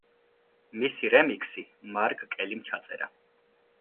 მისი რემიქსი მარკ კელიმ ჩაწერა.